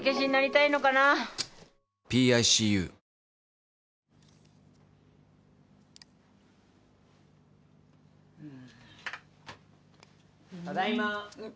・ただいま。